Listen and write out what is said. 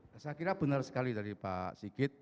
saya kira benar sekali dari pak sigit